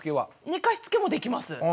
寝かしつけもできます。